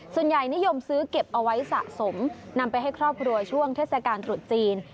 ส่วนใหญ่นิยมซื้อเก็บเอาไว้สะสมนำไปให้ครอบครัวช่วงเทศกาลตรุษจีน